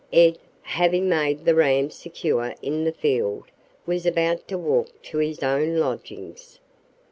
Ed, having made the ram secure in the field, was about to walk to his own lodgings.